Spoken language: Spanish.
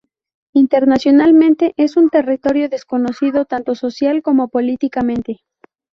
Internacionalmente es un territorio desconocido tanto social como políticamente.